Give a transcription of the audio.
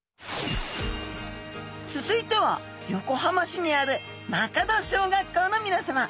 続いては横浜市にある間門小学校のみなさま。